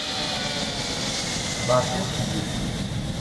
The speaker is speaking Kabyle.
Beṛka akeyyef.